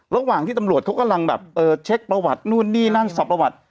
ระหว่างที่ตำรวจเขากำลังเช็คประวัตินี่นานท์สับประวัติ